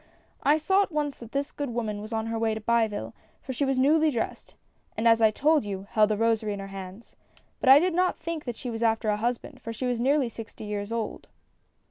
I saw at once that this good woman was on her way to Biville, for she was newly dressed, and as I told you, held a rosary in her hands. But I did not think she was after a husband, for she was nearly sixty years old.